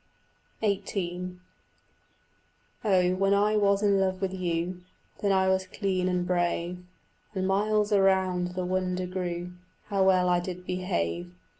XVIII Oh, when I was in love with you, Then I was clean and brave, And miles around the wonder grew How well did I behave.